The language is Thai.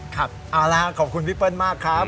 ครับเอาละครับขอบคุณพี่เปิ้ลมากครับ